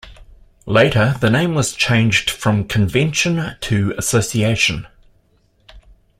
Later the name was changed from "Convention" to "Association".